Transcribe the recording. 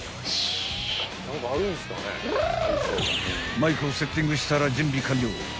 ［マイクをセッティングしたら準備完了］